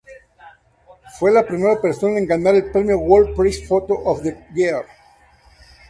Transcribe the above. Fue la primera persona en ganar el Premio World Press Photo of the Year.